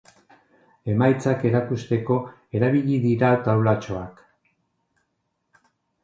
Emaitzak erakusteko erabili dira taulatxoak.